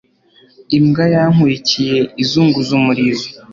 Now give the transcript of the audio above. Imbwa yankurikiye izunguza umurizo.